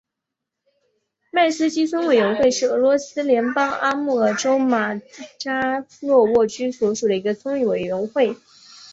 迈斯基村委员会是俄罗斯联邦阿穆尔州马扎诺沃区所属的一个村委员会。